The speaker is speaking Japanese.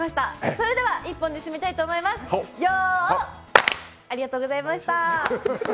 それでは一本で締めたいと思います。よ！